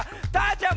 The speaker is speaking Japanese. ちゃん